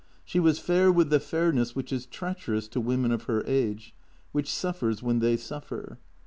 She was fair with the fairness which is treacherous to women of her age, which suffers when they suffer.